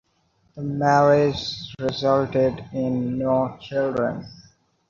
The marriage resulted in no children.